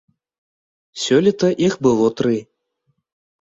Сёлета іх было тры.